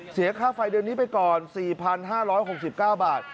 เสียค่าไฟเดือนนี้ไปก่อน๔๕๖๙บาท